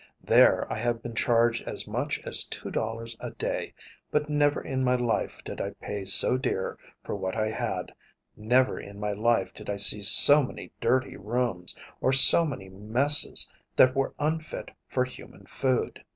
There I have been charged as much as two dollars a day, but never in my life did I pay so dear for what I had, never in my life did I see so many dirty rooms or so many messes that were unfit for human food.